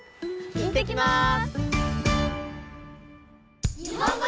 いってきます！